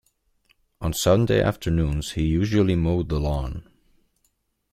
On Sunday afternoons he usually mowed the lawn.